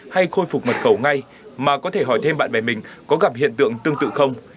hay khôi phục mật khẩu ngay mà có thể hỏi thêm bạn bè mình có gặp hiện tượng tương tự không